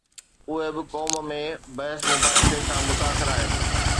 اهي به قوم ۾ بحث مباحثي کان متاثر آهن.